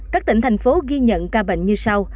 các tỉnh thành phố ghi nhận ca bệnh như sau